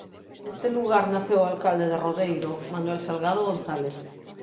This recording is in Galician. Neste lugar naceu o alcalde de Rodeiro Manuel Salgado González.